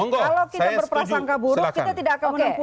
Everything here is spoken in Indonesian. kalau kita berprasangka buruk kita tidak akan menempuh